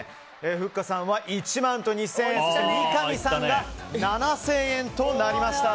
ふっかさんは１万と２０００円そして三上さんが７０００円となりました。